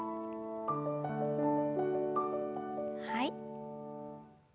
はい。